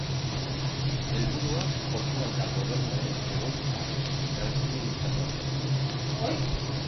Helburua Portugaldar Gobernuaren egoitza Brasilen izatea zen.